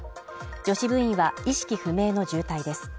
女子部員は意識不明の重体です。